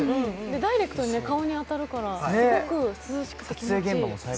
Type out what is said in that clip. ダイレクトに顔に当たるから、すごく涼しくて気持ちいい。